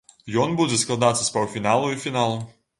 Ён будзе складацца з паўфіналу і фіналу.